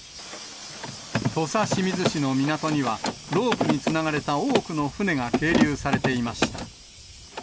土佐清水市の港には、ロープにつながれた多くの船が係留されていました。